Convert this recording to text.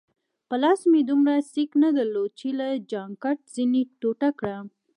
په لاس مې دومره سېک نه درلود چي له جانکټ ځینې ټوټه کړم.